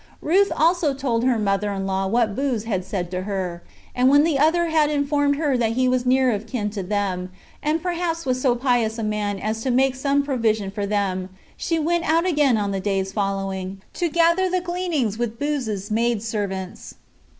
Ruth also told her mother in law what Booz had said to her; and when the other had informed her that he was near of kin to them, and perhaps was so pious a man as to make some provision for them, she went out again on the days following, to gather the gleanings with Booz's maidservants.